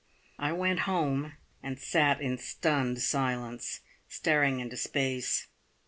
I went home, and sat in stunned silence, staring into space.